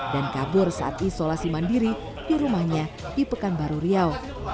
dan kabur saat isolasi mandiri di rumahnya di pekanbaru riau